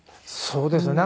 そうですね。